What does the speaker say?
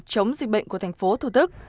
chống dịch bệnh của thành phố thủ tức